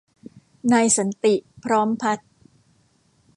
นายสันติ พร้อมพัฒน์